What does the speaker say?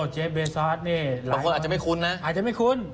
เจฟเบซอสนี่หลายคนอาจจะไม่คุ้นนะ